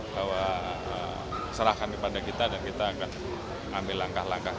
bahwa serahkan kepada kita dan kita akan ambil langkah langkah